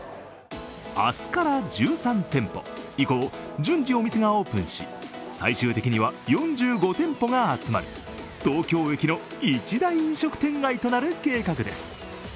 明日から１３店舗以降、順次お店がオープンし最終的には４５店舗が集まり、東京駅の一大飲食店街となる計画です。